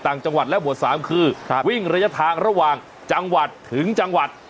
จังหวัดและหมวด๓คือวิ่งระยะทางระหว่างจังหวัดถึงจังหวัด